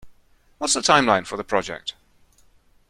What's the timeline for the project?